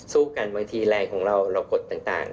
สู้กันบางทีแรงของเราเรากดต่าง